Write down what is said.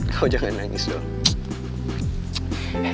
kau jangan nangis dong